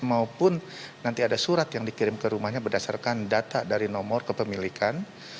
maupun nanti ada surat yang dikirim ke rumahnya berdasarkan data dari nomor kepemilikan